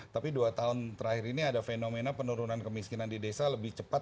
tapi dua tahun terakhir ini ada fenomena penurunan kemiskinan di desa lebih cepat